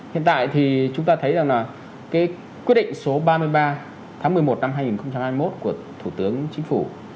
hiện tại thì chúng ta thấy rằng là cái quyết định số ba mươi ba tháng một mươi một năm hai nghìn hai mươi một của thủ tướng chính phủ